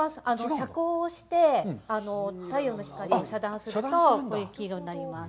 遮光して、太陽の光を遮断すると、こういう色になります。